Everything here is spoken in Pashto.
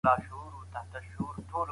هغه ټولنه چي علم لري ځواک لري.